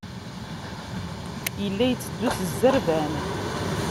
Yella iteddu s zzerban.